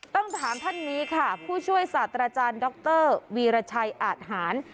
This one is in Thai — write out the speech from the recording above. ต้องถามท่านนี้ค่ะผู้ช่วยศาสตราจารย์ดรวีรชัยอาทหาร